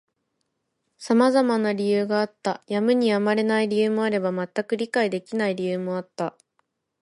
様々な理由があった。やむにやまれない理由もあれば、全く理解できない理由もあった。